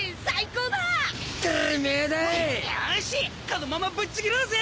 このままぶっちぎろうぜ！